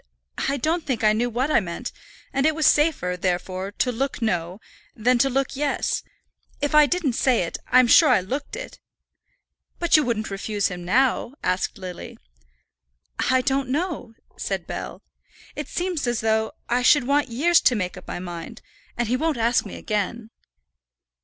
I don't think I knew what I meant; and it was safer, therefore, to look no, than to look yes. If I didn't say it, I'm sure I looked it." "But you wouldn't refuse him now?" asked Lily. "I don't know," said Bell. "It seems as though I should want years to make up my mind; and he won't ask me again."